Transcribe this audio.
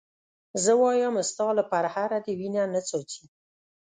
زه وایم ستا له پرهره دې وینه نه څاڅي.